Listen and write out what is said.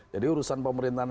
jadi urusan pemerintahan